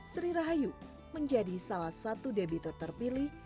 sri rahayu menjadi salah satu debitur terpilih